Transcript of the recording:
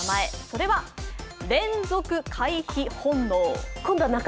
それは、連続回避本能。